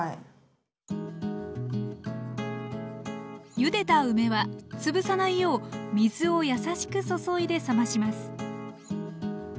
ゆでた梅は潰さないよう水をやさしく注いで冷まします